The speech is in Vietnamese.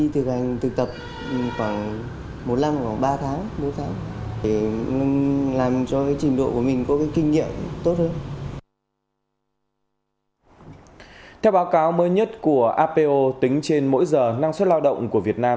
theo báo cáo mới nhất của apo tính trên mỗi giờ năng suất lao động của việt nam